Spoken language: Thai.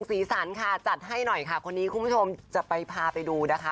สีสันค่ะจัดให้หน่อยค่ะคนนี้คุณผู้ชมจะไปพาไปดูนะคะ